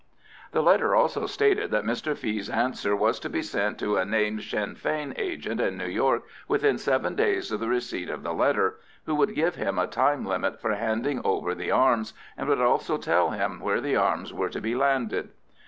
The letter also stated that Mr Fee's answer was to be sent to a named Sinn Fein agent in New York within seven days of the receipt of the letter, who would give him a time limit for handing over the arms, and would also tell him where the arms were to be landed.